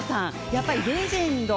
やっぱり、レジェンド。